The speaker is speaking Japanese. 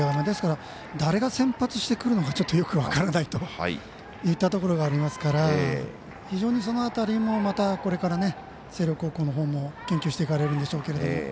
ですから、誰が先発してくるのか分からないといったところがありますから非常にその辺りもこれから星稜高校のほうも研究していかれるんでしょうが。